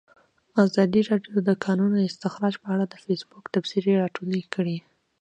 ازادي راډیو د د کانونو استخراج په اړه د فیسبوک تبصرې راټولې کړي.